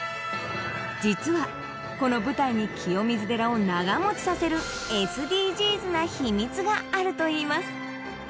実はこの舞台に清水寺を長持ちさせるＳＤＧｓな秘密があるといいますでは行ってみましょう